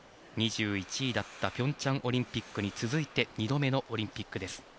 ２１位だった平昌オリンピックに続いて２度目のオリンピックです。